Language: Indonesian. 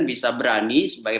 bisa berani sebagai